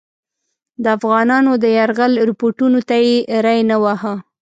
د افغانانو د یرغل رپوټونو ته یې ری نه واهه.